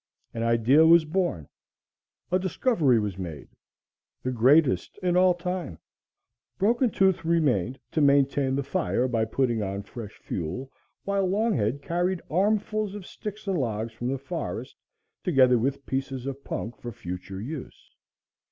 An idea was born; a discovery was made; the greatest in all time. Broken Tooth remained to maintain the fire by putting on fresh fuel, while Longhead carried armfuls of sticks and logs from the forest, together with pieces of punk for future use.